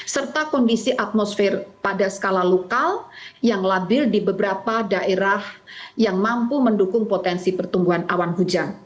serta kondisi atmosfer pada skala lokal yang labil di beberapa daerah yang mampu mendukung potensi pertumbuhan awan hujan